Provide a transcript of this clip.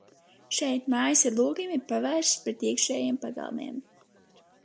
Šeit mājas ar logiem ir pavērstas pret iekšējiem pagalmiem.